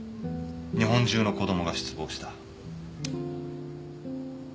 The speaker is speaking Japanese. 日本中の子供が失望した。